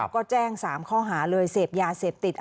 ก็แจ้ง๓ข้อหาเลยเสพยาเสพติด